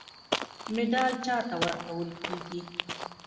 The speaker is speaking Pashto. مډال چا ته ورکول کیږي؟